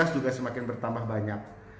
juga semakin bertambah banyak